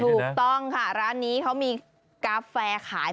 ถูกต้องค่ะร้านนี้เขามีกาแฟขาย